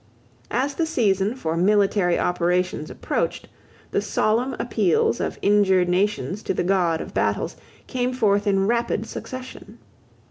As the season for military operations approached, the solemn appeals of injured nations to the God of battles came forth in rapid succession.